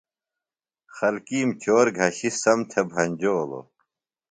خلکِیم چور گھشیۡ سم تھےۡ بھنجولوۡ۔